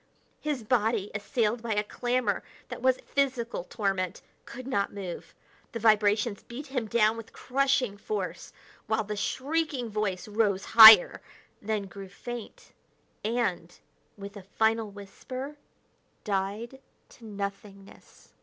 His body, assailed by a clamor that was physical torment, could not move; the vibrations beat him down with crushing force, while the shrieking voice rose higher, then grew faint, and, with a final whisper, died to nothingness.